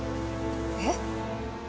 えっ？